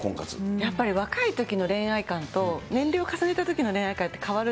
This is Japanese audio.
やっぱり若いときの恋愛観と、年齢を重ねたときの恋愛観って変わる。